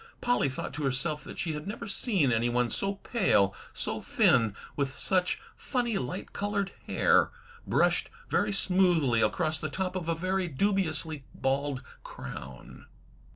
Polly thought to herself that she had never seen anyone so pale, so thin, with such funny light coloured hair, brushed very smoothly across the top of a very dubiously bald crown.